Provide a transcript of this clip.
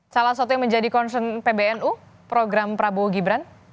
salah satu yang menjadi concern pbnu program prabowo gibran